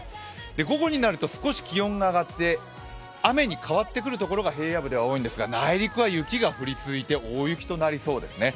午後になると少し気温が上がって雨に変わってくる所が平野部では多いんですが、内陸は雪が降り続いて大雪となりそうですね。